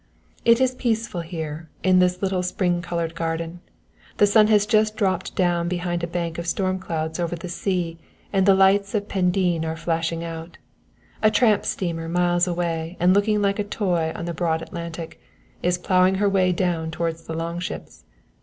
It is peaceful here in this little spring coloured garden. The sun has just dropped down behind a bank of storm clouds over the sea and the lights of Pendeen are flashing out. A tramp steamer, miles away and looking like a toy on the broad Atlantic, is ploughing her way down towards the Longships.